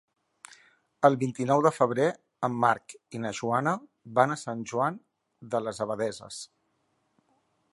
El vint-i-nou de febrer en Marc i na Joana van a Sant Joan de les Abadesses.